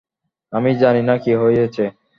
আমি জানি না কি হয়েছে?